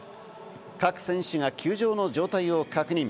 各選手が球場の状態を確認。